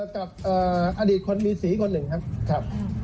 กับอดีตคนมีสีคนหนึ่งครับ